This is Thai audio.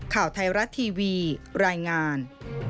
ข่าวไทยรัฐทีวีรายงาน